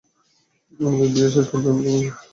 আমাদের বিয়ে শেষ, কিন্তু তুমি এগিয়ে গেছো।